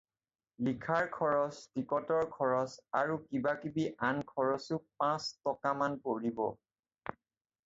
লিখাৰ খৰচ, টিকটৰ খৰচ, আৰু কিবা কিবি আন খৰচো পাঁচ টকামান পৰিব।